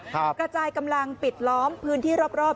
กระจายกำลังปิดล้อมพื้นที่รอบรอบ